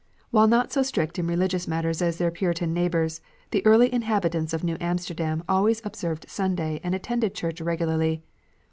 While not so strict in religious matters as their Puritan neighbours, the early inhabitants of New Amsterdam always observed Sunday and attended church regularly.